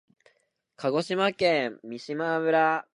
鹿児島県三島村